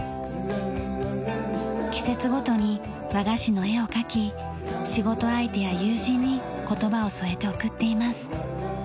季節ごとに和菓子の絵を描き仕事相手や友人に言葉を添えて送っています。